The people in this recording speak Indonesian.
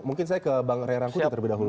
mungkin saya ke bang ray rangkuti terlebih dahulu